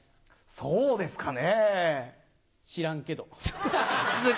そうですかね？